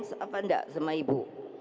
atau tidak sama ibu